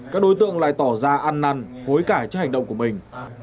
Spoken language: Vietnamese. các đối tượng lại tỏ ra ăn năn hối cải trước hành động của mình